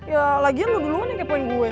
ya lagian lo duluan yang kepoin gue